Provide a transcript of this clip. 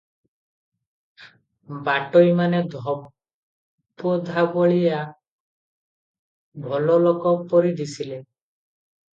ବାଟୋଇମାନେ ଧୋବଧାବଳିଆ ଭଲଲୋକ ପରି ଦିଶିଲେ ।